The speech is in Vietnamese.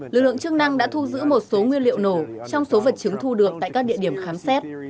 lực lượng chức năng đã thu giữ một số nguyên liệu nổ trong số vật chứng thu được tại các địa điểm khám xét